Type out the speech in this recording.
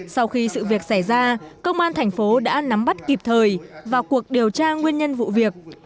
sau khi sự việc xảy ra công an thành phố đã nắm bắt kịp thời vào cuộc điều tra nguyên nhân vụ việc